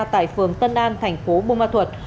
tại phường tân an thành phố bùa ma thuật